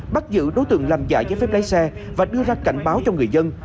bắt giữ đối tượng làm giả giấy phép lái xe và đưa ra cảnh báo cho người dân